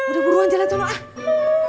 udah buruan jalan tolong